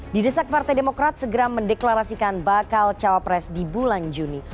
di desak partai demokrat segera mendeklarasikan bakal capres di bulan juni